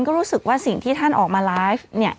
ก็รู้สึกว่าสิ่งที่ท่านออกมาไลฟ์เนี่ย